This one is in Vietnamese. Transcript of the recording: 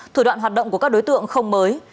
thủ đoạn hoạt động của các đối tượng không mới